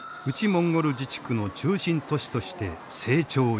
モンゴル自治区の中心都市として成長著しい。